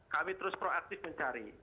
kami terus proaktif mencari